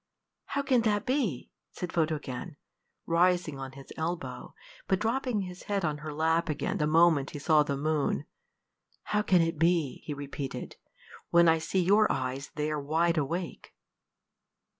"How can that be?" said Photogen, rising on his elbow, but dropping his head on her lap again the moment he saw the moon "how can it be," he repeated, "when I see your eyes there wide awake?"